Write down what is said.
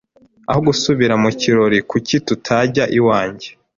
Aho gusubira mu kirori, kuki tutajya iwanjye?